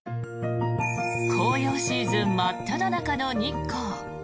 紅葉シーズン真っただ中の日光。